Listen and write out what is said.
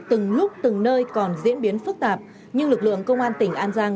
từng lúc từng nơi còn diễn biến phức tạp nhưng lực lượng công an tỉnh an giang